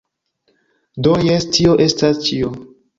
Do, jes tio estas ĉio